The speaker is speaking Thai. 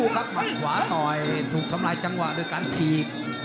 ไปทุนกรมการจากวิธี